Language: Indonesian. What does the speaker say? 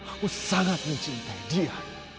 aku sangat mencintai dia